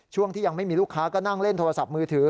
ช่วงที่ยังไม่มีลูกค้าก็นั่งเล่นโทรศัพท์มือถือ